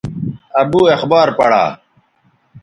ابو اخبار پڑا